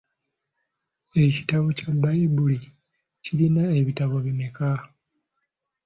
Ekitabo kya Bbayibuli kirina ebitabo bimeka?